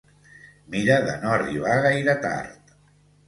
Mira de no arribar gaire tard